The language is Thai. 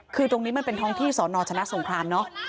คือตรงนี้มันเป็นท้องที่สอนอชนะสงครามเนอะ